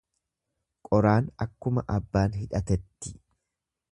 Qoraan akkuma abbaan hidhatetti.